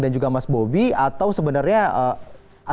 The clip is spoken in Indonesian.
dan juga mas bobby atau sebenarnya